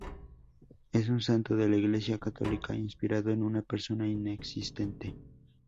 Es un santo de la iglesia católica inspirado en una persona inexistente.